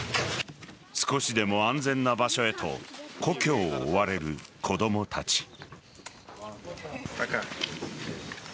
少しでも安全な場所へと故郷を追われる子供たち。